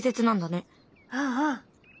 うんうん。